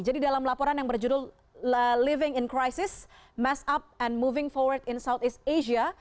jadi dalam laporan yang berjudul living in crisis mass up and moving forward in southeast asia